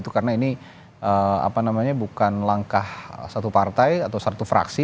karena ini bukan langkah satu partai atau satu fraksi